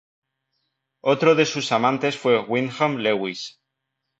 Otro de sus amantes fue Wyndham Lewis.